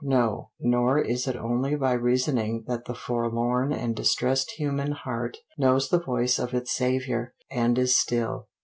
No! Nor is it only by reasoning that the forlorn and distressed human heart knows the voice of its Savior, and is still.